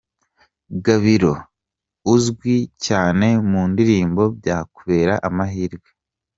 Gabiro uzwi cyane mu ndirimbo Byakubera, Amahirwe.